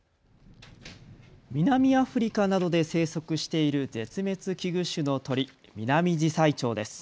南アフリカなどで生息している絶滅危惧種の鳥、ミナミジサイチョウです。